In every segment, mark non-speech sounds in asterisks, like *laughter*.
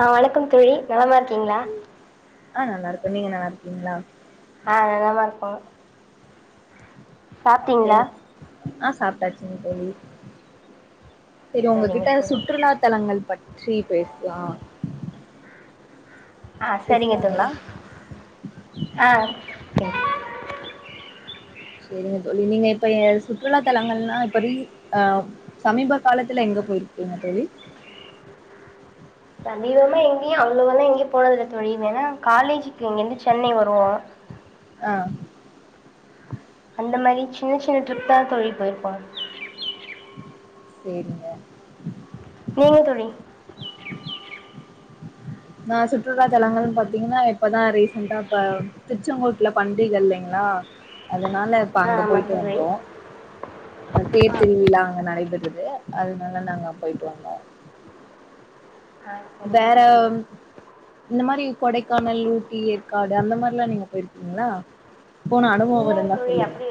ஆ வணக்கம் தோழி நலமா இருக்கீங்ளா ஆ நல்லா இருக்கே நீங்க நல்லா இருக்கீங்ளா ஆ நலமா இருக்கோ ஆ சாப்ட்டாச்சிங்க தோழி சேரி சரிங்க உங்ககிட்ட தோழி சுற்றுலா தலங்கள் பற்றி பேச்லா ஆ சரிங்க பேசலாங்களா தோழி அ சேரிங்க தோழி நீங்க இப்ப எ சுற்றுலா தலங்கள்னா இப்போ ரீ அ சமீப காலத்துல எங்க பொயிருக்கீங்க தோழி சமீபமா எங்கேயு அவ்ளவாலா எங்கேயு போறதில்ல தோழி ஏன்னா காலேஜிக்கு இங்க இருந்து சென்னை வருவோ அ அந்த மாரி சின்ன சின்ன ட்ரிப் தா தோழி பொய்ருப்போ சேரிங்க நீங்க தோழி நா சுற்றுலா தலங்கள் பாத்தீங்னா இப்பதா ரீசென்டா இப்ப திருச்செங்கோட்ல பண்டிக இல்லைங்ளா அதனால இப்ப ஆ அங்க ஆமாம் பொய்ட்டு தோழி வந்தோ அ தேர் திருவிழா அங்க நடைபெறுது அதனால நாங்க பொய்ட்டு வந்தோ ஆ ஆ சரிங்க வேற தோழி இந்த மாரி கொடைக்கானல் ஊட்டி ஏற்காடு அந்த மாரில்லா நீங்க பொய்ருக்கீங்ளா போன அனுபவோ இல்லைங்க தோழி அப்டி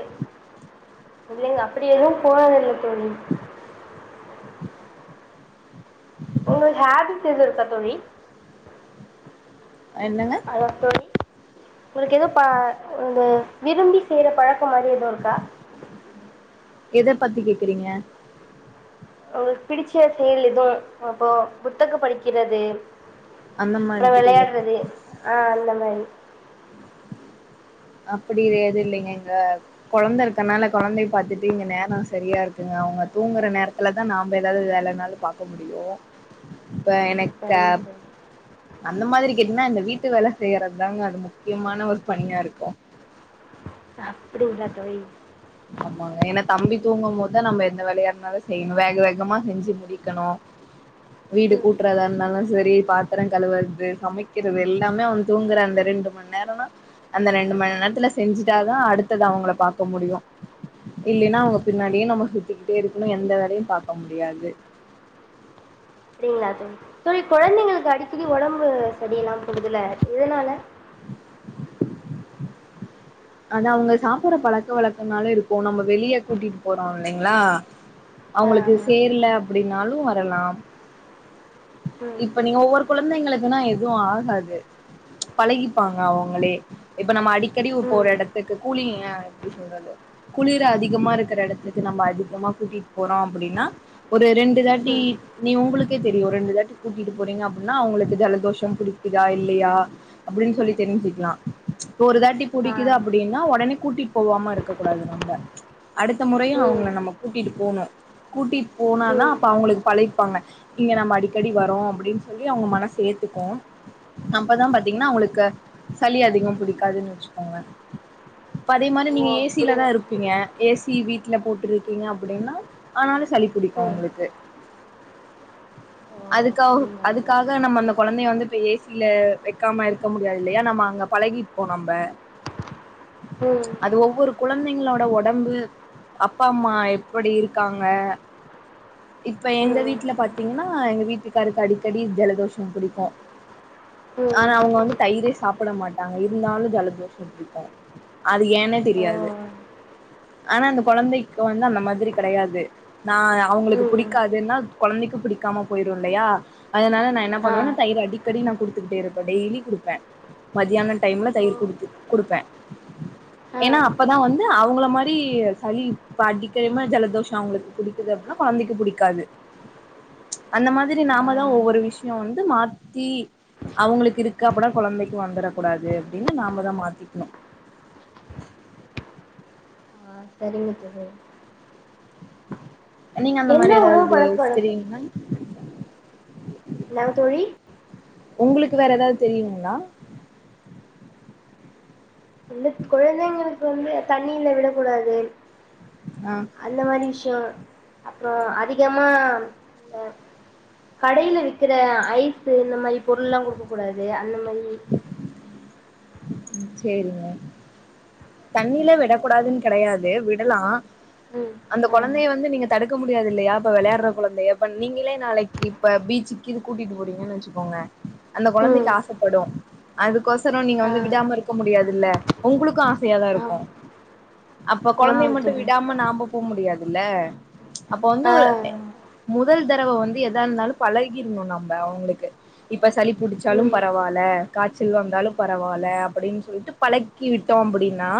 இல்லைங்க அப்டி எதுவு போனதில்ல தோழி உங்க ஹாபிஸ் எது இருக்கா தோழி என்னங்க ஹலோ தோழி உங்களுக்கு எது ப இந்த விரும்பி செய்ற பழக்கோ மாரி எது இருக்கா எத பத்தி கேக்றீங்க உங்ளுக்கு பிடிச்ச செயல் எது இப்போ புத்தகோ படிக்கிறது அந்த அப்றோ மாதிரியா வெளையாடுறது ஆ அந்த மாரி அப்டி இது எது இல்லைங்க இங்க கொழந்த இருக்கனால கொழந்தைய பாத்துட்டு இங்க நேரோ சரியா இருக்குங்க அவங்க தூங்குற நேரத் திலதா நாம ஏதாது வேல இருந்தாலு பாக்க முடியு இப்ப ம் எனக்க சரிங்க தோழி அந்த மாரி கேட்டீங்னா இந்த வீட்டு வேல செய்றதுதாங்க அது முக்கியமான ஒரு பணியா இருக்கு அப்டிங்ளா தோழி ஆமாங்க ஏனா தம்பி தூங்கும் போதுதா நம்ம எந்த வேலயா இருந்தாலு செய்யணு வேக வேகமா செஞ்சி முடிக்கணு வீடு ம் கூட்றதா இருந்தாலு சரி பாத்ரோ கழுவறது சமைக்கிறது எல்லாமே அவே தூங்கற அந்த ரெண்டு மண் நேரந்தா அந்த ரெண்டு மணி நேரத்தில செஞ்சிட்டா தா அடுத்தது அவங்கள பாக்க முடியு இல்லேனா அவங்க பின்னாடியே நம்ம சுத்திக்கிட்டே இருக்கணு எந்த வேலயு பாக்க முடியாது அப்டிங்ளா தோழி தோழி கொழந்தைங்களுக்கு அடிக்கடி ஒடம்பு சரியில்லாம போகுதுல எதனால அது அவங்க சாப்பிட்ற பழக்க வழக்கோனால இருக்கு நம்ப வெளிய கூட்டிட்டு போறோ இல்லைங்ளா ஆ அவங்களுக்கு ஆமாம் சேரல அப்டினாலு வரலாம் ம் இப்ப நீங்க ஒவ்வொரு கொழந்தைங்களுக்னா எதுவு ஆகாது பழகிப்பாங்க அவங்ளே இப்ப நம்ம அடிக்கடி உ போற ம் எடத்துக்கு கூலிங்க எப்டி சொல்றது குளிரு அதிகமா இருக்கற எடத்துக்கு நம்ப அதிகமா கூட்டிட்டு போறோ அப்டின்னா ஒரு ரெண்டு தாட்டி ம் நீ உங்களுக்கே தெரியு ரெண்டு தாட்டி கூட்டிட்டு போறீங்க அப்டினா அவங்களுக்கு ஜலதோஷோ புடிக்குதா இல்லயா அப்டினு சொல்லி தெரிஞ்சிக்லா இப்ப ஒரு தாட்டி ஆ புடிக்குது அப்டினா ஒடனே கூட்டிட் போவாம இருக்க கூடாது நம்ம அடுத்த முறையு ம் அவங்கள நம்ம கூட்டிட்டு போனு கூட்டிட் போனாதா ம் அப்ப அவங்களுக் பழகிப்பாங்க இங்க நம்ம அடிக்கடி வரோ அப்டின் சொல்லி அவங்க மனசு ஏத்துக்கு அப்பதா பாத்தீங்னா அவங்களுக்கு சளி அதிகம் பிடிக்காதுன் வச்சிக்கொங்க இப்ப அதே மாரி ஓ நீங்க ஏசில அப்படிங்க தா இருப் பீங்க ஏசி வீட்ல போட்ருக்கீங்க அப்டினா அதனால சளி புடிக்கு ம் அவங்களுக்கு ஓ அதுக்கா அப்படிங்களா தோழி அதுக்காக நம்ப அந்த கொழந்தைய வந்து இப்ப ஏசில வைக்காம இருக்க முடியாது இல்லயா நம்ம அங்க பழகிட் ஓ நம்ப ம் அது ஒவ்வொரு கொழந்தைங்களோட ஒடம்பு அப்பா அம்மா எப்படி இருக்காங்க இப்ப எங்க ம் வீட்ல பாத்திங் என்னா எங்க வீட்டுக்காருக்கு அடிக்கடி ஜலதோஷம் புடிக்கோ ம் ஆனா அவுங்க வந்து தயிரே சாப் சாப்பட மாட்டாங்க இருந்தாலு ஜலதோஷம் புடிக்கோ அது ஏன்னே ஓ தெரியாது ஆனா அந்த கொழந்தைக்கு வந்து அந்த மாதிரி கெடையாது நா அவுங்களுக்கு ம் புடிக்காதுனா கொழந்தைக்கு புடிக் நிக்காம போயிருவ இல்லையா அதனால நா என்ன ஆ பண்ணுவனா தயிர் அடிக்கடி நா குடுத்துக்கிட்டே இருப்பே டெய்லி குடுப்ப மதியான டைம்ல ஓ தயிர் குடுத்து குடுப்ப ஆ ஏனா ஆ அப்பதா வந்து அவுங்கள மாரி சளிப்ப அடிக்கிறமா ஜலதோஷ அவுங்களுக்கு புடிக் குது அப்பனா கொழந்தைக்கு புடிக்காது அந்த மாதிரி நாமதா ஒவ்வொரு ஆ விஷியோ வந்து மாத்தி அவுங்களுக்கு இருக்கா அப்டினா கொழந்தைக்கு வந்துற கூடாது அப்டின்னு நாமதா மாத்திக்கணு செரிங்க தோழி நீங்க அந்த மாதிரி என்ன உணவு ஏதாது பழக்க வழக் ஹிஸ்டிரிங் மேம் என்னாங் தோழி உங்களுக்கு வேற ஏதாது தெரியுங்ளா இந்த கொழந்தைங்களுக்கு வந்து தண்ணில விடக்கூடாது அ அந்த மாறி விஷ்யோ அப்றோ அதிகமா இந்த கடையில விக்கிற ஐஸ்சு இந்த மாறி பொருள்லா குடுக்கக் கூடாது அந்த மாறி ம் சேரிங்க தண்ணில விடக் கூடாதுன்னு கெடையாது விடலா ம் அந்த ஆ கொழந்தைய வந்து நீங்க தடுக்க முடியாது இல்லையா அப்ப விளையாட்ற கொழந்தைய இப்ப நீங்களே நாளைக் கி இப்ப பீச்சுக்கு கீது கூட்டிட்டு போறீங்கன்னு வச்சுக்கோங்க அந்த கொழந்தைக்கு ம் ஆசப்படும் அதுக்கோசரோ நீங்க ஆ வந்து விடாம இருக்க முடியாதுல்ல உங்களுக்கு ஆசையாதா ஆம் இருக்கும் அப்ப கொழந்தைய ஆமாங்க மட்டும் தோழி விடாம நம்ப போ முடியாதுல்ல அப்ப வந்து ஆ முதல் தரவ வந்து எதா இருந்தாலு பழகிற்ணு நம்ப அவுங்களுக்கு இப்ப சளி புடிச்சாலு ம் பரவால்ல காச்சல் வந்தாலு பரவா ல்ல அப்டின்னு சொல்லிட்டு பழகிவிட்டோ அப்படின்னா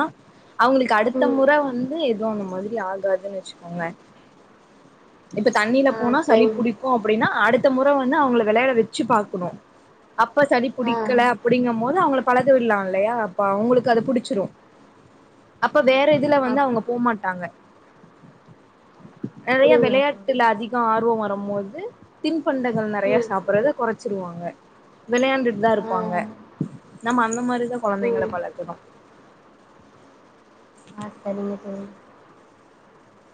அவுங்களுக்கு அடுத்த ம் முறை வந்து எதுவு அந்த மாதிரி ஆகாதுன்னு வச்சுக்கோங்களே இப்ப தண்ணில ஆ போனா சளி சரிங்க புடிக் கும் அப்படின்னா அடுத்த முறை வந்து அவுங்கள விளையாட வச்சி பாக்கணு அப்ப சளி ஆ புடிக்கல அப்படிங்க போது அவுங்கள பழக விட்லா இல்லையா அப்ப அவுங்களுக்கு அது புடிச்சிடும் அப்ப வேற இதுல வந்து அப் அவுங்க போமாட்டாங்க நெறைய அப்படிங்களா தோழி விளையாட்டுல அதிகோ ஆர்வோ வரம்போது தின்பண்டங்கள் நெறைய ம் சாப்பட்றத குறைச்சிருவாங்க விளையாண்டுட்டு தா ஆ இருப்பாங்க நம்ப அந்த மாறிதா கொழந்தைங்கள ம் பழக்கணு ஆ சரிங்க தோழி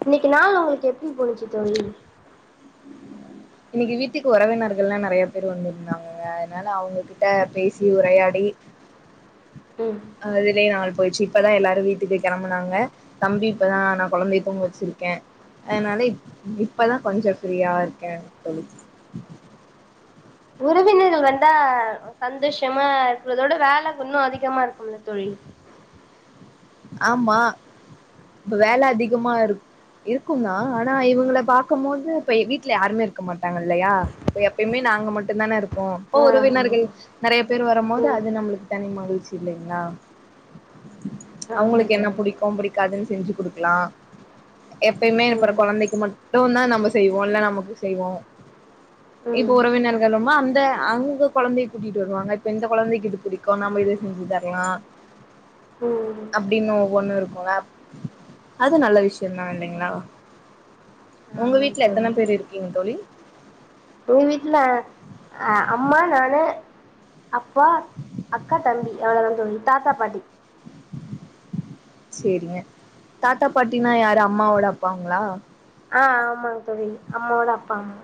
இன்னக்கி நாள் உங்களுக்கு எப்படி போனச்சி தோழி இன்னக்கி வீட்டிக்கு உறவினர்கள் எல்லா நெறைய பேர் வந்திருந்தாங்க அதனால அவுங்க கிட்ட பேசி உரையாடி ம் அதுலயே நாள் போயிட்ச்சி இப்பதா எல்லாரும் வீட்டுக்கு கெளம்புனாங்க தம்பி இப்பதா நா கொழந்தைய தூங்க வெச்சிருக்கே அதனால இப்பதா கொஞ்சோ ஃப்ரீயா இருக்கே தோழி உறவினர்கள் வந்தா சந்தோஷமா இருக்கறதோட வேல இன்னும் அதிகமா இருக்குமில்ல தோழி ஆமா இப்ப வேல அதிகமா இருக் இருக்குதா ஆனா இவங்கள பாக்கம் போது இப்ப வீட்ல யாருமே இருக்க மாட்டாங்க இல்லயா இப்ப எப்பயுமே நாங்க மட்டுந்தானே இருப்போ இப்ப ஆ உறவினர்கள் நெறய பேரு வரும்போது அது நம்மளுக்கு தனி மகிழ்ச்சி இல்லைங்ளா ஆமா தோழி ம் ஆமா அவுங்களுக்கு என்ன தோழி புடிக்கும் புடிக்காதுன்னு செஞ்சு குடுக்கலா எப்பயுமே அப்புறோ ம் கொழந்தைக்கு மட்டுந்தா நம்ம செய்வோ இல்ல நமக்கு செய்வோ இப்ப ம் உறவினர்களுமா அந்த அங்க கொழந்தய கூட்டிட்டு வருவாங்க இப்ப இந்த கொழந்தக்கு இது புடிக் கும் நம்ம இத செஞ்சு தர்லா உம் அப்டின்னு ஒவ்வொன்னு இருக்குல்ல அது நல்ல விஷ்யந்தா இல்லைங்ளா உங்க ஆமா வீட்ல தோழி எத்தன பேர் இருக்கீங்க தோழி எங் வீட்ல அ அம்மா நானு அப்பா அக்கா தம்பி அவ்ளோதா தோழி தாத்தா பாட்டி சேரிங்க தாத்தா பாட்டினா யாரு அம்மாவோட அப்பாங்ளா ஆ ஆமா தோழி அம்மாவோட அப்பா அம்மா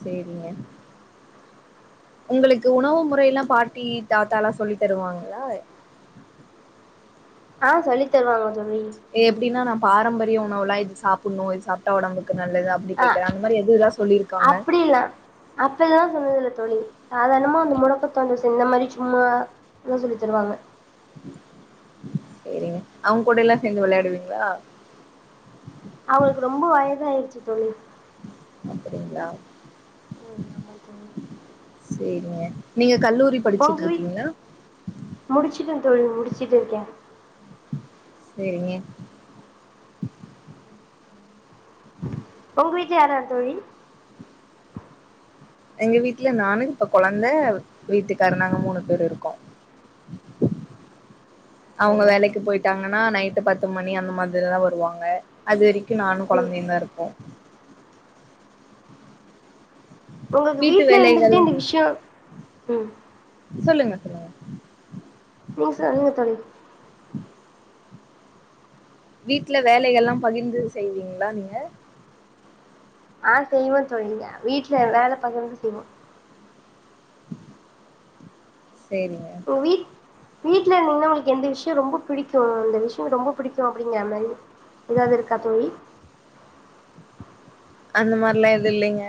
சேரிங்க உங்களுக்கு உணவு முறைலா பாட்டி தாத்தலா சொல்லி தருவாங்களா ஆ சொல்லி தருவாங்க தோழி எப்டினா நா பாரம்பரிய உணவுலா இது சாப்புட்ணு இது சாப்ட்டா உடம்புக்கு நல்லது அப் அப்டி ஆ கேக்குறே அந்த மாரி எதுலா சொல்லிருக்காங்க அப்பிலா சொன்னது இல்ல தோழி சாதாரணமா அந்த முடக்கத்தான் இந்த மாரி சும்மா இப்டிதா சொல்லி தருவாங்க சேரிங்க அவுங்கூட எலா சேந்து வெளாடுவீங்களா அவுங்ளுக்கு ரொம்ப வயதாயிருச்சு தோழி அப்டிங்ளா ம் ஆமா தோழி சேரிங்க நீங்க கல்லூரி பொங்குவி படிச்சுட்ருக்கீங்களா முடிச்சுட்டே தோழி முடிச்சுட்டு இருக்கே சேரிங்க ஒங் வீட்ல யார் யார் தோழி எங்க வீட்ல நானு இப்ப கொழந்த வீட்டுக்காரு நாங்க மூணு பேரு இருக்கோ அவுங்க சரிங்க வேலைக்கு தோழி போயிட்டாங்கன்னா நைட்டு பத்து மணி அந்த மாதிரிதா வருவாங்க அது வரைக் கு நானு ம் கொழந்தயு தா இருப்போ உங்கக்கு வீட்டு வீட்ல வேலைகள் இருந்துகிட்டே இந்த விஷ்யோ ம் சொல்லுங்க சொல்லுங்க நீங் சொல்லுங்க தோழி வீட்ல வேலைகள்லா பகிர்ந்து செய்வீங்களா நீங்க ஆ செய்வோ தோழி ய வீட்ல வேல பகிர்ந்து செய்வோ சேரிங்க போ வீ வீட்ல இருந்தீங்கன்னா உங்ளுக்கு எந்த விஷ்யோ ரொம்ப புடிக்கு இந்த விஷ்யோ ரொம்ப புடிக்கு அப்டிங்கிற மாரி ஏதாது இருக்கா தோழி அந்த மாரிலா எது இல்லைங்க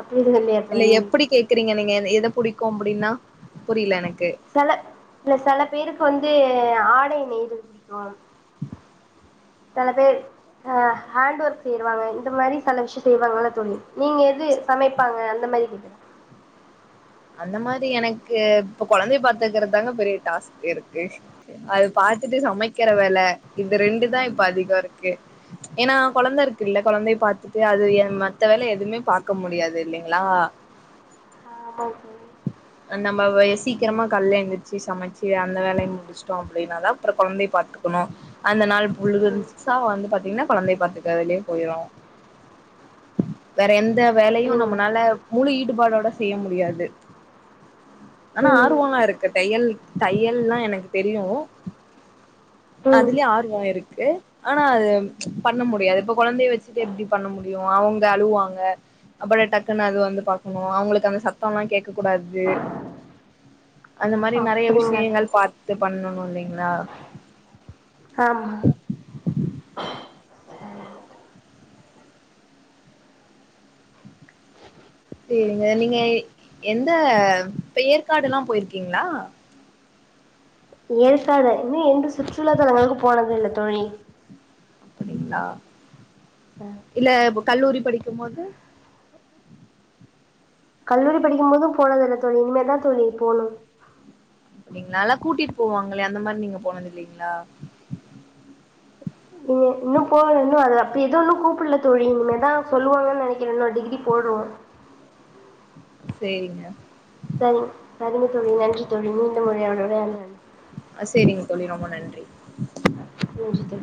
அப்டி இது நல்லயே இல்ல எப்டி கேக்குறீங்க நீங்க எ எத புடிக்கு அப்டின்னா புரில எனக்கு செல இல்ல செல பேருக்கு வந்து ஆடை நெய்தல் ப்டிக்கு செல பேரு ஹே ஹேண்ட் ஒர்க் சேர்வாங்க இந்த மாரி செல விஷ்யோ செய்வாங்கள்ள தோழி நீங்க எது சமைப்பாங்க அந்த மாரி கேக்குறே அந்த மாதி எனக்கு இப்ப கொழந்தைய பாத்துக்கிற தாங்க பெரிய டாஸ்க் இருக்கு அது பாத்துட்டு சமைக்கிற வேல இது ரெண்டுதா இப்ப அதிகோ இருக்கு ஏனா கொழந்த இருக்கு இல்ல கொழந்தைய பாத்துட்டு அது எ மத்த வேல எதுமே பாக்க முடியாது இல்லைங்ளா ஆமாம் தோழி அ நம்ம வ சீக்கிரமா கால்ல எந்திரிச்சி சமச்சு அந்த வேலைய முடிச் ச்ட்டோ அப்டின்னாதா அப்றோ கொழந்தையை பாத்துக்கணு அந்த நாள் புழுதுன்சா வந்து பாத்தீங்ன்னா கொழந்தைய பாத்துக்குறதுலயே போயிரு வேற எந்த வேலையு தோழி நம்மளால முழு ஈடுபாடோட செய்ய முடியாது ம் அப்டிங்களா ஆனா ம் ஆர்வோல்லா இருக்கு தையல் தையல்லா எனக்கு தெரியு ம் அதுலையு ஆர்வோ இருக்கு ஆனா அது பண்ண முடியாது இப்ப கொழந்தைய வச்சிட்டு எப்டி பண்ண முடியு அவுங்க அழுவாங்க அப்படே டக்குனு அது வந்து பாக்கனு அவங்களுக்கு அந்த சத்தலா கேக்க கூடாத் து அந்த மாரி நெறைய அப்டிங்களா விஷியங்கள் பாத்து பண்ணணு இல்லைங்ளா ஆமா செரிங்க நீங்க எந்த பெயர்காடு எல்லா போய்ருக்கீங்ளா பெயற்காடு ஏ என்று சுற்றுலா தலங்களுக்கு போனதே இல்ல தோழி அப்டிங்ளா ம் இல்ல கல்லூரி படிக்கு போது கல்லூரி படிக்கு போது போனது இல்ல தோழி இனிமே தா தோழி போனு அப்டிங்ளா நால்லா கூட்டிட் போவாங்களே அந்த மாரி நீங்க போனது இல்லைங்ளா இனிமே இன்னு போட இன்னு அது அப்ப எது ஒன்னு கூப்புட்ல தோழி இனிமே தா சொல்லு வாங்கன் நெனைக்கிற இன்னொரு டிகிரி போட்றோ சேரிங்க செரி சரிங்க தோழி நன்றி தோழி மீண்டு *unintelligible* அ சேரிங்க தோழி ரொம்ப நன்றி சேரி தோழி